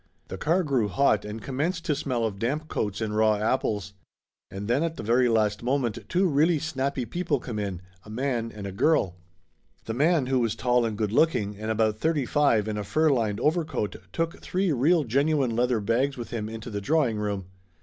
The car grew hot and commenced to smell of damp coats and raw apples. And then at the very last moment two really snappy people come in, a man and a girl. The man, who was tall and good looking and about thirty five in a fur lined overcoat, took three real gen uine leather bags with him into the drawing room.